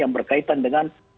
yang berkaitan dengan